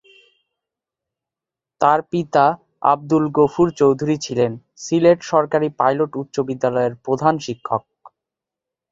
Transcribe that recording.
তার পিতা আব্দুল গফুর চৌধুরী ছিলেন সিলেট সরকারি পাইলট উচ্চ বিদ্যালয়ের প্রধান শিক্ষক।